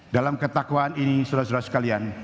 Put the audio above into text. dalam ketakwaan ini seluruh sekalian